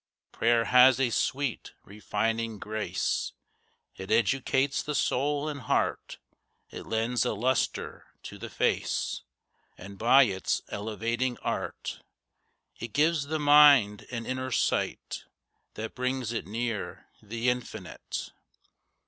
Prayer has a sweet, refining grace, It educates the soul and heart. It lends a lustre to the face, And by its elevating art It gives the mind an inner sight That brings it near the Infinite.